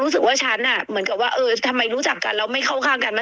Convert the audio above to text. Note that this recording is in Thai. รู้สึกว่าฉันเหมือนกับว่าเออทำไมรู้จักกันแล้วไม่เข้าข้างกันมั